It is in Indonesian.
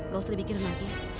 gak usah dipikirin lagi